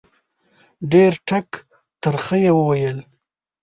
ډېر ټک ترخه یې وویل